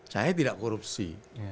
saya tidak korupsi